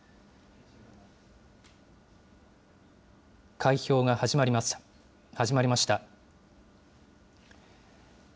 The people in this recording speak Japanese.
開票が始まりました。